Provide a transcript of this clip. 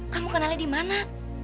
kamu kenalin di mana